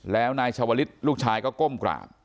แล้วนายชาวลิศลูกชายก็ก้มกราบ